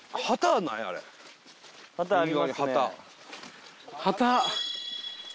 旗。